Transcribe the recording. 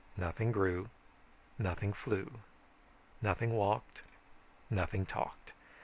Nothing grew, nothing flew, nothing walked, nothing talked.